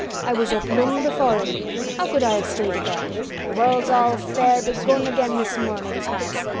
"I was up long before him. How could I have stayed abed! Th' world's all fair begun again this mornin', it has.